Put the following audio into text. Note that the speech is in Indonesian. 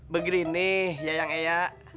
begini nih yayang eyak